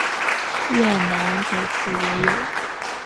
越南北部也有。